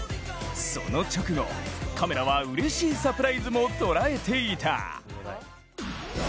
その直後、カメラはうれしいサプライズもとらえていた。